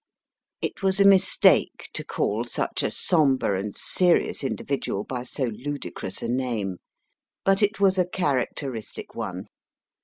It was a mistake to call such a sombre and serious indi vidual by so ludicrous a name, but it was a characteristic one.